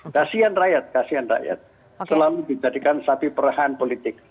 kasian rakyat selalu dijadikan sapi perahan politik